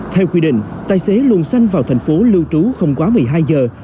theo quy định tài xế luôn xanh vào thành phố lưu trú không quá một mươi hai giờ